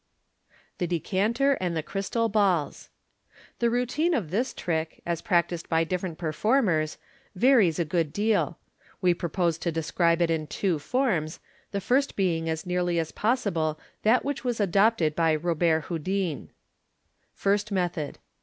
Thb Decanter and the Crystal Balls. — The routine of this trick, as practised by different performers, varies a good deal. We propose to describe it in two forms, the first being as nearly as pos« sible that which was adopted by Robert Houdin. First Method.